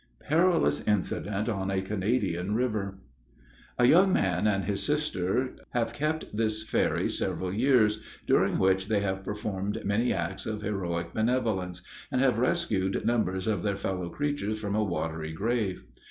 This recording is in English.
PERILOUS INCIDENT ON A CANADIAN RIVER. A young man and his sister have kept this ferry several years, during which they have performed many acts of heroic benevolence, and have rescued numbers of their fellow creatures from a watery grave.